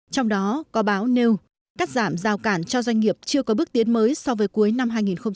trong đó có báo nêu cắt giảm giao cản cho doanh nghiệp chưa có bước tiến mới so với cuối năm hai nghìn một mươi tám